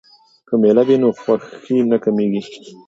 که میله وي نو خوښي نه کمېږي.